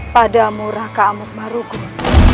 pada murahka amut marugun